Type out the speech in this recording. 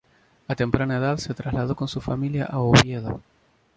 A temprana edad se trasladó con su familia a Oviedo.